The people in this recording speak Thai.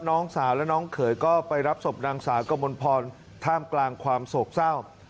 น้องสาวและน้องเขยก็ไปรับศพนางสาวกมลพรท่ามกลางความโศกเศร้า